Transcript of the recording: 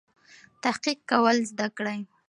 تحقیق کول زده کړئ.